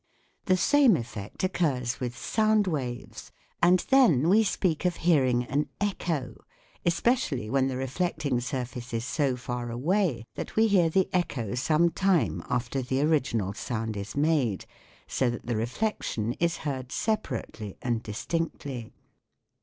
The same effect occurs with sound waves, and then we speak of hearing an echo, especi ally when the reflecting surface is so far away that we hear the echo some time after the original sound is made, so that the reflec tion is heard separately and distinctly.